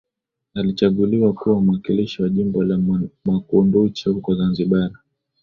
Alichaguliwa kuwa mwakilishi wa jimbo la Makunduchi huko Zanzibar